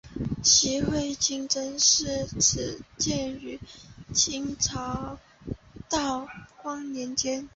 西会清真寺始建于清朝道光年间。